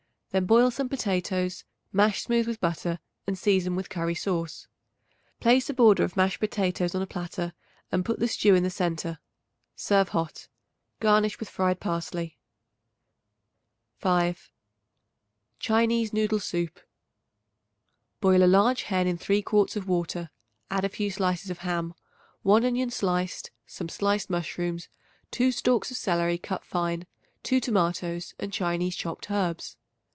Then boil some potatoes; mash smooth with butter and season with curry sauce. Place a border of mashed potatoes on a platter and put the stew in the centre; serve hot. Garnish with fried parsley. 5. Chinese Noodle Soup. Boil a large hen in 3 quarts of water. Add a few slices of ham, 1 onion sliced, some sliced mushrooms, 2 stalks of celery cut fine, 2 tomatoes and Chinese chopped herbs.